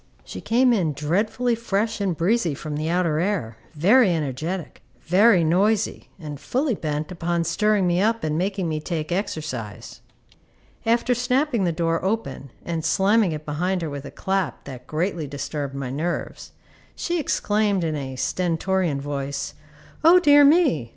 She came in dreadfully fresh and breezy from the outer air, very energetic, very noisy, and fully bent upon stirring me up and making me take exercise. After snapping the door open and slamming it behind her with a clap that greatly disturbed my nerves, she exclaimed in a stentorian voice, "O dear me!